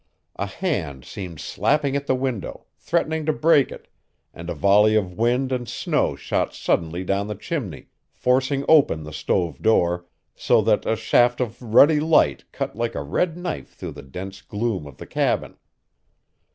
A hand seemed slapping at the window, threatening to break it, and a volley of wind and snow shot suddenly down the chimney, forcing open the stove door, so that a shaft of ruddy light cut like a red knife through the dense gloom of the cabin.